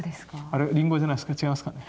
あれリンゴじゃないですか違いますか。